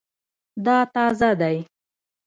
دا تازه دی